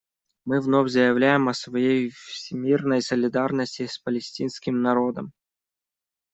Мы вновь заявляем о своей всемерной солидарности с палестинским народом.